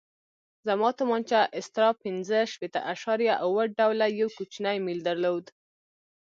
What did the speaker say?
زما تومانچه استرا پنځه شپېته اعشاریه اوه ډوله یو کوچنی میل درلود.